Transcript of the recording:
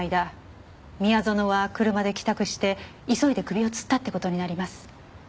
宮園は車で帰宅して急いで首をつったって事になります。